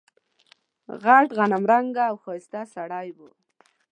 غټ غنم رنګه او ښایسته سړی و.